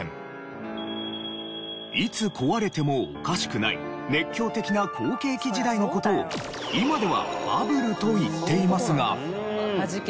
いつ壊れてもおかしくない熱狂的な好景気時代の事を今ではバブルと言っていますが。